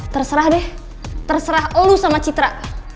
terserah deh terserah lu sama citra